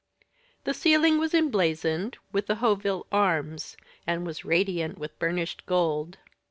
The ceiling was emblazoned with the Hauteville arms, and was radiant with burnished gold.